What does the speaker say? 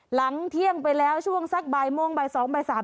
หลังเที่ยงไปแล้วช่วงสักบ่ายโมงบ่าย๒บ่าย๓